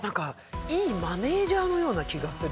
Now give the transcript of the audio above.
いいマネージャーのような気がする。